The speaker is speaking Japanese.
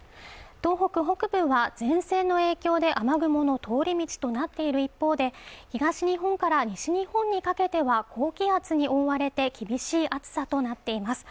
東北北部は前線の影響で雨雲の通り道となっている一方で東日本から西日本にかけては高気圧に覆われて厳しい暑さとなっています